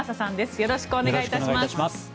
よろしくお願いします。